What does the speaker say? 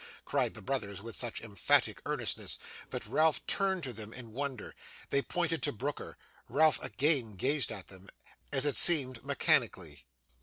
cried the brothers, with such emphatic earnestness, that Ralph turned to them in wonder. They pointed to Brooker. Ralph again gazed at him: as it seemed mechanically.